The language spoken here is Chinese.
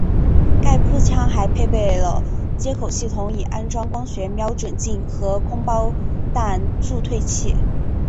该步枪还配备了接口系统以安装光学瞄准镜和空包弹助退器。